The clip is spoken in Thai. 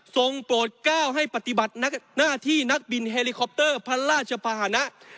โปรดก้าวให้ปฏิบัติหน้าที่นักบินเฮลิคอปเตอร์พระราชภาษณะ